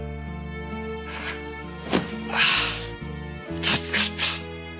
あぁ助かった。